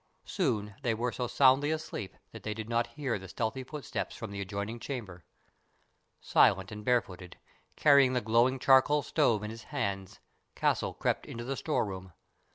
Soon they were so soundly asleep that they did not hear the stealthy footsteps from the adjoining chamber. Silent and barefooted, carrying the glowing charcoal stove in his hands, Castle crept into the store room.